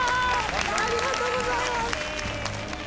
ありがとうございます。